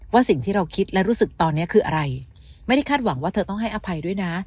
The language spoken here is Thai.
สิ่งที่เราคิดและรู้สึกตอนนี้คืออะไรไม่ได้คาดหวังว่าเธอต้องให้อภัยด้วยนะ